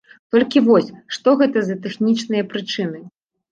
Толькі вось, што гэта за тэхнічныя прычыны?